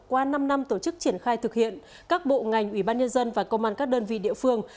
qua năm năm tổ chức triển khai thực hiện các bộ ngành ủy ban nhân dân và công an các đơn vị địa phương